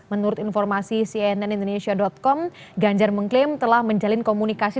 menurut informasi cnn indonesia com ganjar mengklaim telah menjalin komunikasi